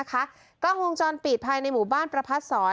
กล้องวงจรปิดภายในหมู่บ้านประพัดศร